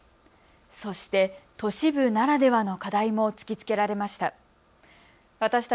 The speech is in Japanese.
そして、都市部ならではの課題も突きつけられました。